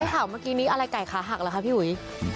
เห่าเมื่อกี้นี้อะไรไก่ขาหักเหรอคะพี่หุย